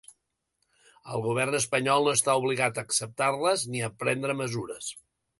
El govern espanyol no està obligat a acceptar-les ni a prendre mesures.